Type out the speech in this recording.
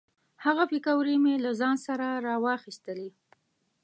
هغه پیکورې مې له ځان سره را واخیستلې.